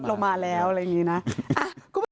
รถเรามาแล้วอะไรอย่างงี้น่ะอ่า